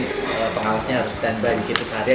kalau pengawasnya harus stand by disitu seharian